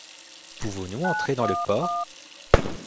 Pouvons-nous entrer dans le port ?